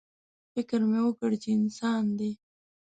_فکر مې وکړ چې انسان دی.